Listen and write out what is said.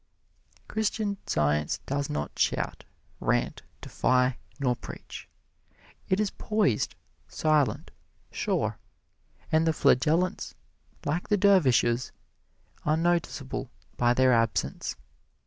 Christian Science does not shout, rant, defy nor preach. It is poised, silent, sure, and the flagellants, like the dervishes, are noticeable by their absence.